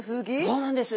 そうなんです。